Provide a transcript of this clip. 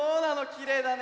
きれいだね。